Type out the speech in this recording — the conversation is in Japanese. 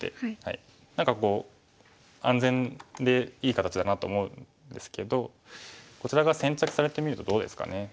何かこう安全でいい形だなと思うんですけどこちらが先着されてみるとどうですかね。